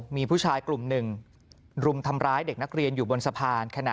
มีผู้ชายกลุ่มหนึ่งรุมทำร้ายเด็กนักเรียนอยู่บนสะพาน